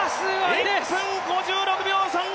１分５６秒３０！